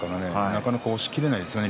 なかなか押しきれないですよね